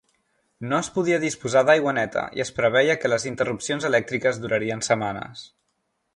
No es podia disposar d'aigua neta i es preveia que les interrupcions elèctriques durarien setmanes.